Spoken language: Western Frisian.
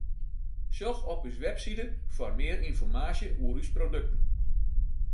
Sjoch op ús website foar mear ynformaasje oer ús produkten.